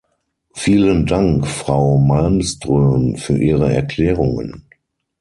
Vielen Dank, Frau Malmström, für Ihre Erklärungen.